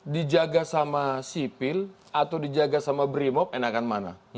dijaga sama sipil atau dijaga sama brimop enakan mana